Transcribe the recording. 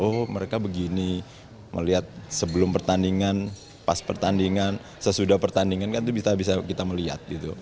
oh mereka begini melihat sebelum pertandingan pas pertandingan sesudah pertandingan kan itu bisa kita melihat gitu